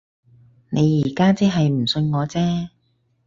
你而家即係唔信我啫